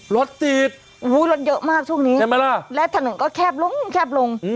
รถติดโอ้โหรถเยอะมากช่วงนี้และถนนก็แคบลงแคบลง